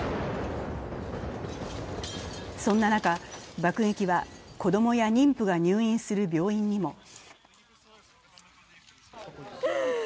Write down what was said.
そんな中、爆撃は子供や妊婦が入院する病院にも。